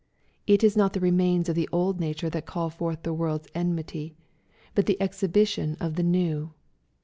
It is not the remains of the old nature that call forth the world's enmity, but the exhibition of the new.